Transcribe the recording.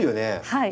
はい。